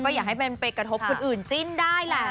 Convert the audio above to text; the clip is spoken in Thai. อย่าให้มันไปกระทบคนอื่นจิ้นได้แหละ